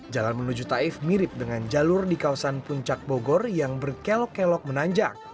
jalan menuju taif mirip dengan jalur di kawasan puncak bogor yang berkelok kelok menanjak